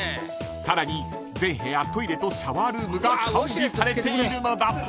［さらに全部屋トイレとシャワールームが完備されているのだ］